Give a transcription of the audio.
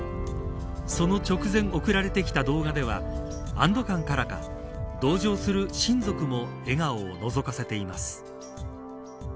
その直前に送られてきた動画には安堵感からか同乗する親族も笑顔をのぞかせています。